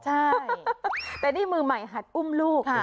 ใช่แต่นี่มือใหม่หัดอุ้มลูก